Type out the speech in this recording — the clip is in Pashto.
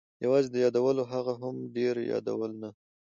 یوازې د یادولو، هغه هم ډېر یادول نه.